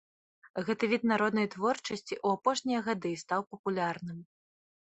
Гэты від народнай творчасці ў апошнія гады стаў папулярным.